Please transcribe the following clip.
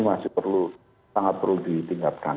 masih perlu sangat perlu ditingkatkan